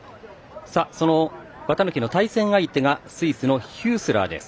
綿貫の対戦相手がスイスのヒュースラーです。